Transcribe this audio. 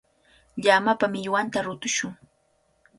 Llamapa millwanta rutushun.